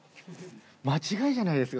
間違いじゃないですか？